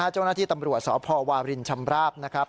เจ้าหน้าที่ตำรวจสพวารินทร์ชำราบ